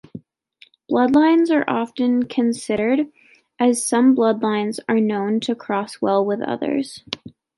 Bloodlines are often considered, as some bloodlines are known to cross well with others.